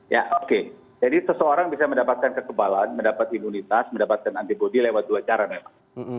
ya oke jadi seseorang bisa mendapatkan kekebalan mendapat imunitas mendapatkan antibody lewat dua cara memang